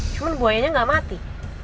cuman buah ayahnya gak mati